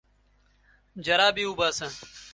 جرابې وباسه.